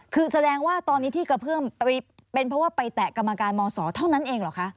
คือแสดงว่าตอนนี้ที่กระเพื่อมเป็นเพราะว่าไปแตะกรรมการมศเท่านั้นเองเหรอคะ